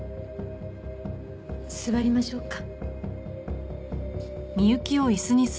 座りましょうか。